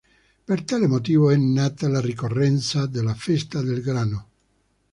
Per tale motivo è nata la ricorrenza della festa del grano.